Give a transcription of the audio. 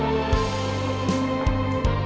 jangan lupa untuk mencoba